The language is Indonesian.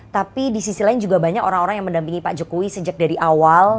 tapi di sisi lain juga banyak orang orang yang mendampingi pak jokowi sejak dari awal